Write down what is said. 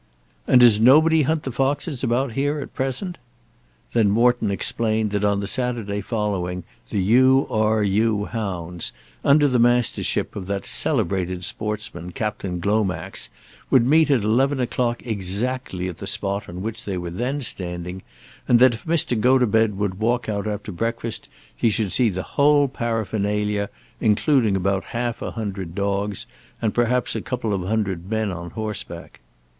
"And does nobody hunt the foxes about here at present?" Then Morton explained that on the Saturday following the U. R. U. hounds, under the mastership of that celebrated sportsman Captain Glomax, would meet at eleven o'clock exactly at the spot on which they were then standing, and that if Mr. Gotobed would walk out after breakfast he should see the whole paraphernalia, including about half a hundred "dogs," and perhaps a couple of hundred men on horseback.